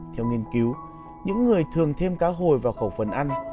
theo nghiên cứu những người thường thêm cá hồi vào khẩu phần ăn